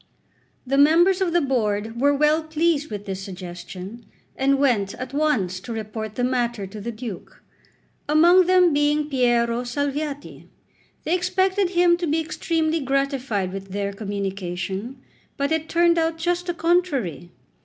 The members of the Board were well pleased with this suggestion, and went at once to report the matter to the Duke, among them being Piero Salviati. They expected him to be extremely gratified with their communication, but it turned out just the contrary.